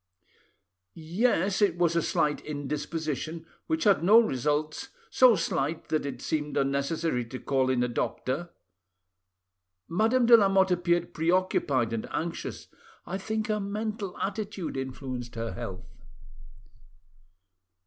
"Yes, it was a slight indisposition, which had no results, so slight that it seemed unnecessary to call in a doctor. Madame de Lamotte appeared preoccupied and anxious. I think her mental attitude influenced her health."